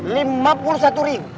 lima puluh satu ribu